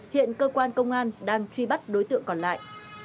hiện cơ quan công an đang truy bắt đối tượng còn lại